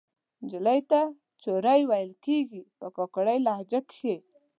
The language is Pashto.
نجلۍ ته چورۍ ویل کیږي په کاکړۍ لهجه کښې